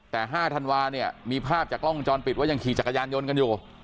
แต่๕ธันวาเนี่ยมีภาพจากกล้องวงจรปิดว่ายังขี่จักรยานยนต์กันอยู่